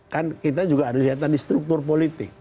kan kita juga harus lihat tadi struktur politik